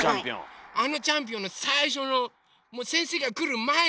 あのチャンピオンの最初のもう先生が来る前の段階。